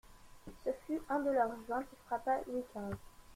Ce fut un de leurs gens qui frappa Louis quinze.